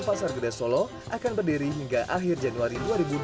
di atas jembatan pasar gede solo akan berdiri hingga akhir januari dua ribu dua puluh tiga